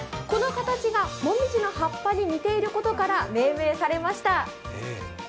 この形がもみじの葉っぱに似ていることから命名されました。